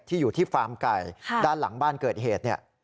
อยู่ที่ฟาร์มไก่ด้านหลังบ้านเกิดเหตุเนี่ย